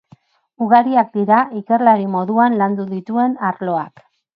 Ugariak dira ikerlari moduan landu dituen arloak.